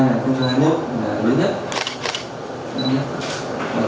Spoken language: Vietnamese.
đây là cái vụ án có lẽ là trong năm hai nghìn hai mươi một là lớn nhất